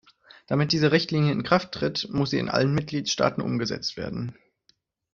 Damit diese Richtlinie in Kraft tritt, muss sie in allen Mitgliedstaaten umgesetzt werden.